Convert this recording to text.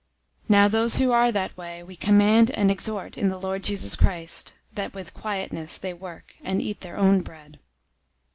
003:012 Now those who are that way, we command and exhort in the Lord Jesus Christ, that with quietness they work, and eat their own bread.